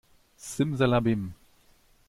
Simsalabim!